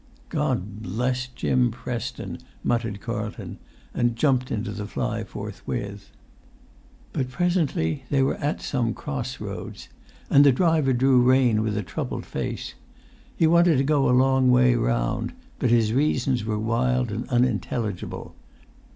"God bless Jim Preston!" muttered Carlton, and jumped into the fly forthwith. [Pg 185]But presently they were at some cross roads. And the driver drew rein with a troubled face. He wanted to go a long way round, but his reasons were wild and unintelligible.